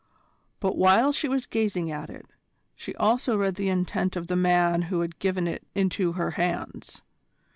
But while she was gazing at it, she also read the intent of the man who had given it into her hands.